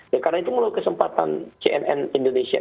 karena itu melalui kesempatan cnn indonesia